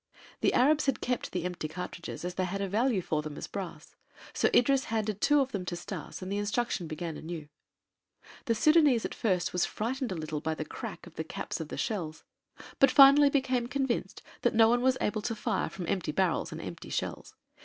The Arabs had kept the empty cartridges as they had a value for them as brass; so Idris handed two of them to Stas and the instruction began anew. The Sudânese at first was frightened a little by the crack of the caps of the shells, but finally became convinced that no one was able to fire from empty barrels and empty shells.